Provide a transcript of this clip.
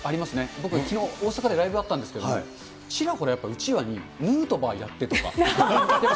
僕はきのう、大阪でライブあったんですけど、ちらほらやっぱり、うちわにヌートバーやってとか。